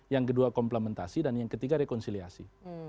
yang kedua komplementasi dan yang ketiga rekonsiliasi